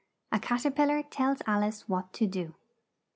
A CAT ER PIL LAR TELLS ALICE WHAT TO DO.